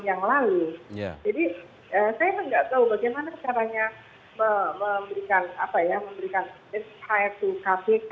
jadi saya juga nggak tahu bagaimana caranya memberikan shr ke kpk